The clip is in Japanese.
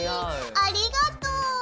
ありがとう。